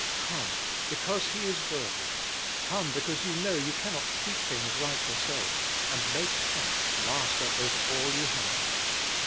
Come, because He is worthy; come because you know you can not keep things right yourself, and make Christ master over all you have.